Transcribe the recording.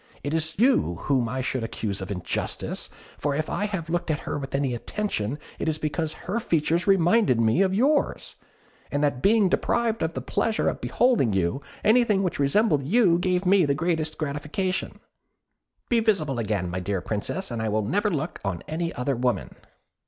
It is you whom I should accuse of injustice: for if I have looked at her with any attention, it is because her features reminded me of yours, and that being deprived of the pleasure of beholding you, anything which resembled you gave me the greatest gratification. Be visible again, my dear Princess, and I will never look on any other woman."